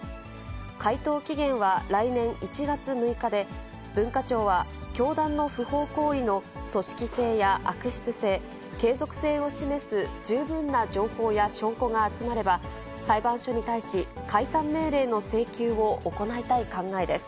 回答期限は来年１月６日で、文化庁は、教団の不法行為の組織性や悪質性、継続性を示す十分な情報や証拠が集まれば、裁判所に対し、解散命令の請求を行いたい考えです。